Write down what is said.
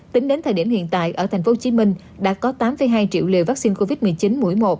tính đến thời điểm hiện tại ở tp hcm đã có tám hai triệu liều vaccine covid một mươi chín mũi một